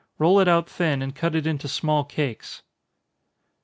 Roll it out thin, and cut it into small cakes.